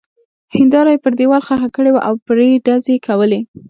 هېنداره يې پر دېوال ښخه کړې وه او پرې ډزې کولې.